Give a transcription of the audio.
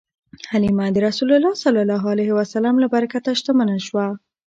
حلیمه د رسول الله ﷺ له برکته شتمنه شوه.